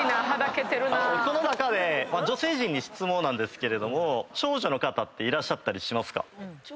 この中で女性陣に質問なんですけれども長女の方っていらっしゃったりしますか？